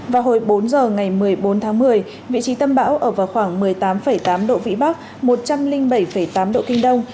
vào hồi bốn giờ ngày một mươi bốn tháng một mươi vị trí tâm bão ở vào khoảng một mươi tám tám độ vĩ bắc một trăm linh bảy tám độ kinh đông